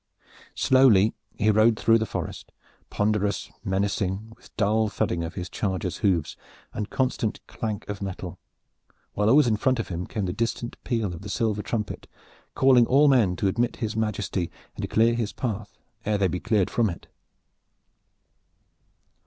Slowly he rode through the forest, ponderous, menacing, with dull thudding of his charger's hoofs and constant clank of metal, while always in front of him came the distant peal of the silver trumpet calling all men to admit his majesty and to clear his path ere they be cleared from it.